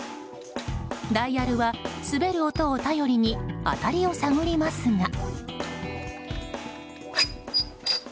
ダイヤルは滑る音を頼りに当たりを探りますが。